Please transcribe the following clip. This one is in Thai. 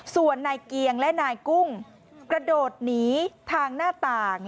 ส่วนนายเกียงและนายกุ้งกระโดดหนีทางหน้าต่าง